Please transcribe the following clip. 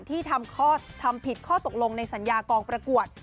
ที่ทำผิดข้อตกลงในสัญญากองประกวด